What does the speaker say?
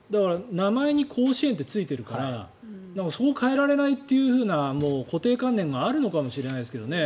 名前に甲子園ってついているからそこを変えられないという固定観念があるのかもしれないですけどね。